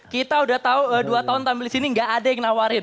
kita udah tau dua tahun tampil disini gak ada yang nawarin